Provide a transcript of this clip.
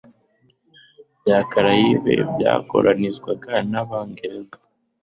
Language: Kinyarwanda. bya Karayibe byakoronizwaga n'Abongereza,